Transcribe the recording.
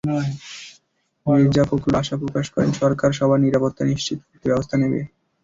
মির্জা ফখরুল আশা প্রকাশ করেন, সরকার সবার নিরাপত্তা নিশ্চিত করতে ব্যবস্থা নেবে।